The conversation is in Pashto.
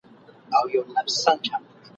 موږ که الوزو کنه خپل مو اختیار دی !.